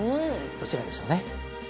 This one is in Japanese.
どちらでしょうね。